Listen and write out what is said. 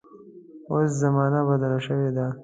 اوس زمانه بدله شوې ده.